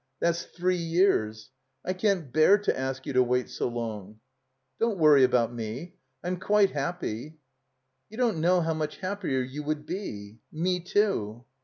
That's three years. I can't bear to ask you to wait so long." "Don't worry about me. I'm quite happy." You don't know how much happier you would be. Me too."